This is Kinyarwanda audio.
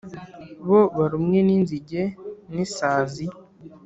Bo barumwe n’inzige n’isazi,